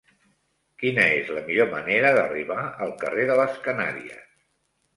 Quina és la millor manera d'arribar al carrer de les Canàries?